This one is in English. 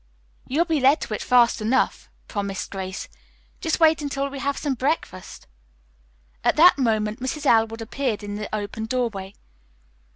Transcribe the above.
"You'll be led to it fast enough," promised Grace. "Just wait until we have some breakfast." At that moment Mrs. Elwood appeared in the open doorway.